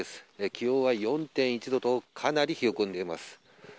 気温は４．１度と、かなり冷え込んでいます。